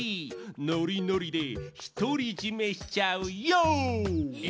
ノリノリでひとりじめしちゃうヨー！え？